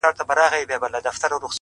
د ګوتو په شمار د شهرت لیونیان